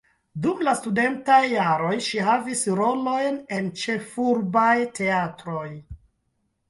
Dum la studentaj jaroj ŝi havis rolojn en ĉefurbaj teatroj.